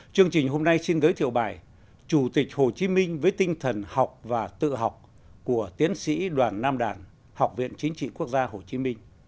chương trình hôm nay xin giới thiệu bài chủ tịch hồ chí minh với tinh thần học và tự học của tiến sĩ đoàn nam đàn học viện chính trị quốc gia hồ chí minh